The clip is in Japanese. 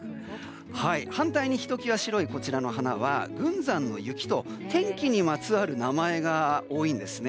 反対にひと際白いこちらの花は群山の雪と天気にまつわる名前が多いんですね。